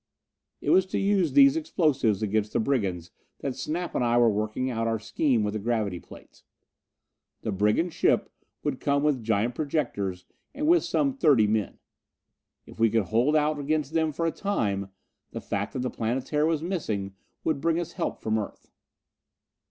It was to use these explosives against the brigands that Snap and I were working out our scheme with the gravity plates. The brigand ship would come with giant projectors and with some thirty men. If we could hold out against them for a time, the fact that the Planetara was missing would bring us help from Earth.